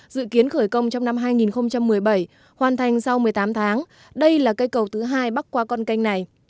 dự kiến khởi công trong năm hai nghìn một mươi bảy hoàn thành sau một mươi tám tháng đây là cây cầu thứ hai bắc qua con canh này